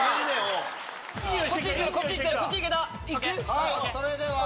はいそれでは。